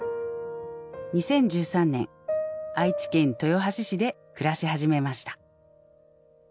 ２０１３年愛知県豊橋市で暮らし始めました。